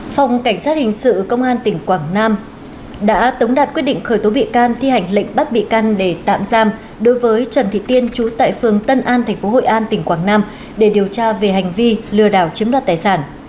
phòng cảnh sát hình sự công an tỉnh quảng nam đã tống đạt quyết định khởi tố bị can thi hành lệnh bắt bị can để tạm giam đối với trần thị tiên chú tại phường tân an tp hội an tỉnh quảng nam để điều tra về hành vi lừa đảo chiếm đoạt tài sản